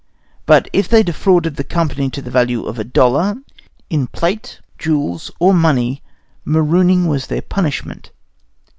But if they defrauded the company to the value of a dollar, in plate, jewels, or money, marooning was their punishment.